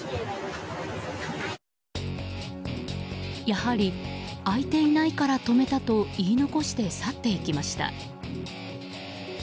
やはり空いていないから止めたと言い残して去っていきました。